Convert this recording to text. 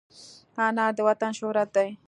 انار د وطن شهرت دی.